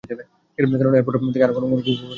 কেননা এরপর থেকে আর কখনো ঘুমাতে পারবে না!